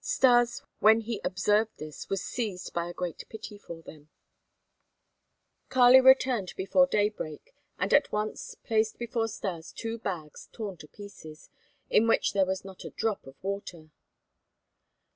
Stas, when he observed this, was seized by a great pity for them. Kali returned before daybreak and at once placed before Stas two bags torn to pieces, in which there was not a drop of water.